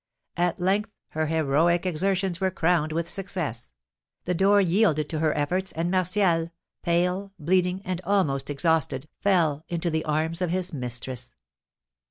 At length her heroic exertions were crowned with success, the door yielded to her efforts, and Martial, pale, bleeding, and almost exhausted, fell into the arms of his mistress.